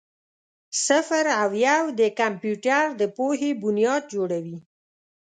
صفر او یو د کمپیوټر د پوهې بنیاد جوړوي.